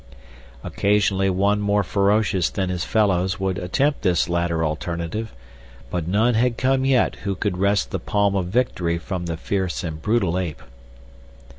Occasionally one more ferocious than his fellows would attempt this latter alternative, but none had come yet who could wrest the palm of victory from the fierce and brutal ape.